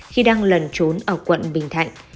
khi đang lẩn trốn ở quận bình thạnh